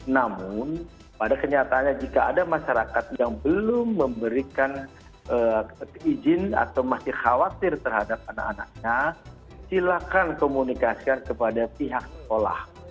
namun pada kenyataannya jika ada masyarakat yang belum memberikan izin atau masih khawatir terhadap anak anaknya silakan komunikasikan kepada pihak sekolah